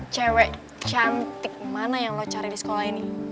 cewek cantik mana yang lo cari di sekolah ini